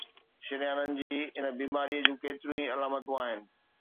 شريانن جي هن بيماريءَ جون ڪيتريون ئي علامتون آهن